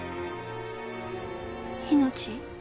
命？